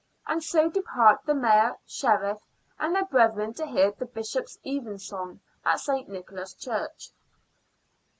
And so depart the Mayor, Sheriff, and their brethren to hear the bishop's evensong at St. Nicholas' Church."